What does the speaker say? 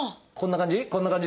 こんな感じ？